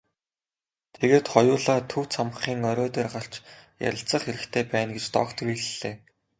Тэгээд хоёулаа төв цамхгийн орой дээр гарч ярилцах хэрэгтэй байна гэж доктор хэллээ.